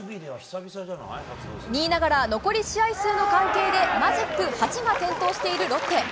２位ながら残り試合数の関係でマジック８が点灯しているロッテ。